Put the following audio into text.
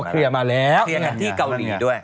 เคลียร์กันที่เกาหลีด้วย